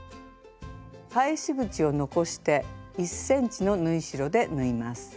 返し口を残して１ｃｍの縫い代で縫います。